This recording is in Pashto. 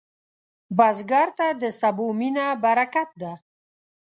بزګر ته د سبو مینه برکت ده